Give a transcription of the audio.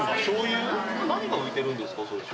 何が浮いてるんですか？